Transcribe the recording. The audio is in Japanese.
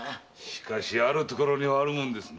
しかしある所にはあるもんですな。